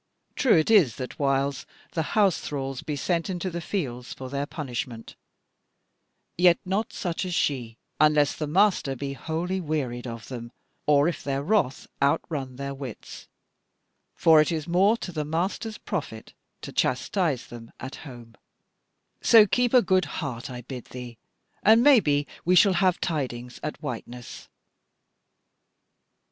True it is that whiles the house thralls be sent into the fields for their punishment; yet not such as she, unless the master be wholly wearied of them, or if their wrath outrun their wits; for it is more to the master's profit to chastise them at home; so keep a good heart I bid thee, and maybe we shall have tidings at Whiteness."